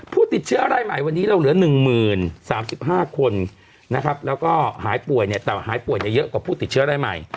ผู้ติดเชื้อรายใหม่วันนี้เราเหลือ๑๐๓๕คนนะครับแล้วก็หายป่วยเนี่ยแต่หายป่วยเยอะกว่าผู้ติดเชื้อรายใหม่